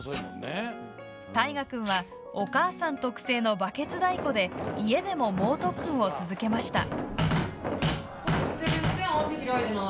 虎君はお母さん特製のバケツ太鼓で家でも猛特訓を続けました。